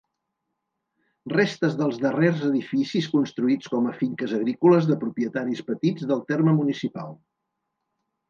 Restes dels darrers edificis construïts com a finques agrícoles de propietaris petits del terme municipal.